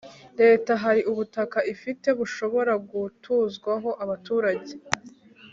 leta hari ubutaka ifite bushobora gutuzwaho abaturage